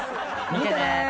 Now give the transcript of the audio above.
見てね！